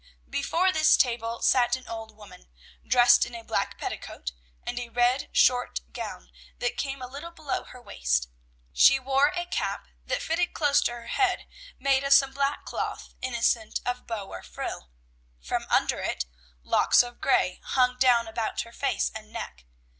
Before this table sat an old woman, dressed in a black petticoat, and a red, short gown that came a little below her waist. She wore a cap that fitted close to her head, made of some black cloth, innocent of bow or frill; from under it, locks of gray hung down about her face and neck.